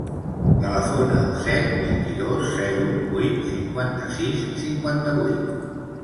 Telefona al set, vint-i-dos, zero, vuit, cinquanta-sis, cinquanta-vuit.